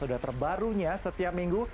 dan episode terbarunya setiap minggu